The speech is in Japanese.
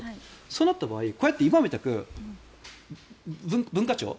そうなった場合これって今みたく、文化庁？